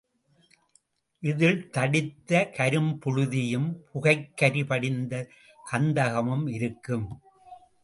இதில் தடித்த கரும் புழுதியும் புகைக்கரி படிந்த கந்தகமும் இருக்கும்.